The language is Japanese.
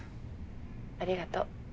ありがとう。